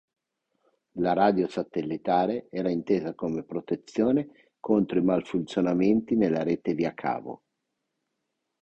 La radio satellitare era intesa come protezione contro i malfunzionamenti nella rete via cavo.